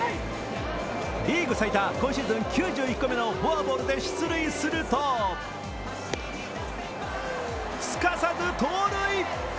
リーグ最多、今シーズン９１個目のフォアボールで出塁すると、すかさず盗塁。